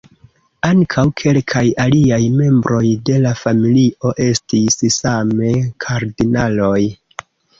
Ankaŭ kelkaj aliaj membroj de la familio estis same kardinaloj.